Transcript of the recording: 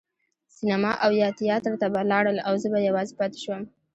سینما او یا تیاتر ته به لاړل او زه به یوازې پاتې شوم.